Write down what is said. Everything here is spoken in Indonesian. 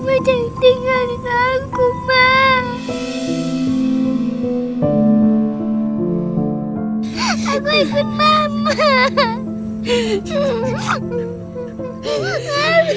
mama jangan tinggal dengan aku mak